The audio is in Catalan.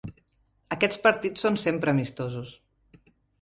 Aquests partits són sempre amistosos.